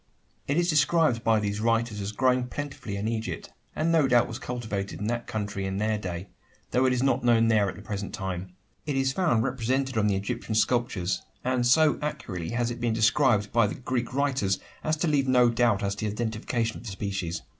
It is described by these writers as growing plentifully in Egypt; and no doubt was cultivated in that country in their day; though it is not known there at the present time. It is found represented on the Egyptian sculptures, and so accurately has it been described by the Greek writers, as to leave no doubt as to the identification of the species.